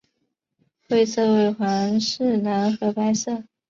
会色为皇室蓝和白色。